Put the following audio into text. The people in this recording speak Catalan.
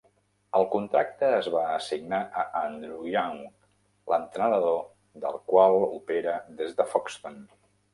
El contracte es va assignar a Andrew Young, l'entrenador del qual opera des de Foxton.